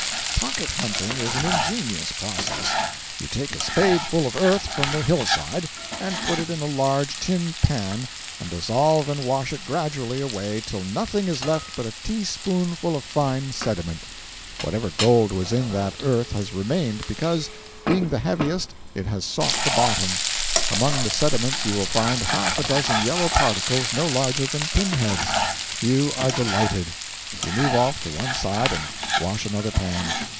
Pocket hunting is an ingenious process. You take a spadeful of earth from the hill side and put it in a large tin pan and dissolve and wash it gradually away till nothing is left but a teaspoonful of fine sediment. Whatever gold was in that earth has remained, because, being the heaviest, it has sought the bottom. Among the sediment you will find half a dozen yellow particles no larger than pin heads. You are delighted. You move off to one side and wash another pan.